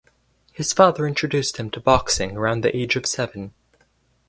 His father introduced him to boxing around the age of seven.